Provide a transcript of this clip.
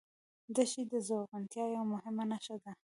دښتې د زرغونتیا یوه مهمه نښه ده.